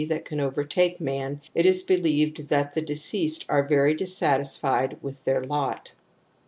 that can overtake man, it is believed that the j deceased are very dissatisfied with their lot.